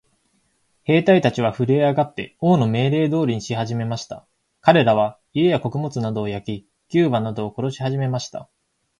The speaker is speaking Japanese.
兵隊たちはふるえ上って、王の命令通りにしはじめました。かれらは、家や穀物などを焼き、牛馬などを殺しはじめました。